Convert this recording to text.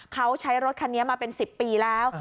เขาใช้รถคันนี้มาเป็น๑๐ปีแล้ว